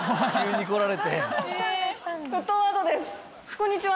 こんにちは。